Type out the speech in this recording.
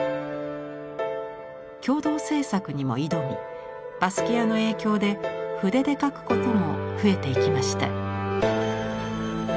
共同制作にも挑みバスキアの影響で筆で描くことも増えていきました。